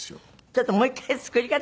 ちょっともう一回作り方